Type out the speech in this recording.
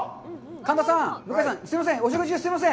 神田さん、すいません、お食事中、すいません。